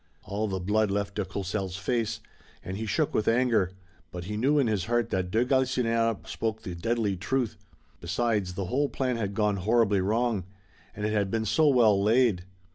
All the blood left de Courcelles' face, and he shook with anger, but he knew in his heart that de Galisonnière spoke the deadly truth. Besides, the whole plan had gone horribly wrong. And it had been so well laid.